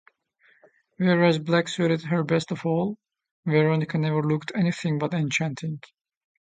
Whereas black suited her best of all, Veronica never looked anything but enchanting.